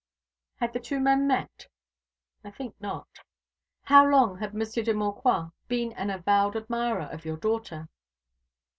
"Had the two men met?" "I think not." "How long had Monsieur de Maucroix been an avowed admirer of your daughter?"